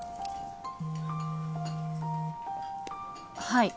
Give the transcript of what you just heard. はい。